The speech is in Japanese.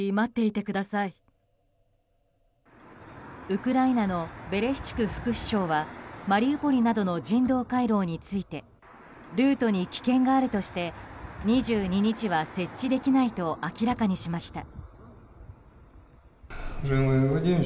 ウクライナのベレシュチュク副首相はマリウポリなどの人道回廊についてルートに危険があるとして２２日は設置できないと明らかにしました。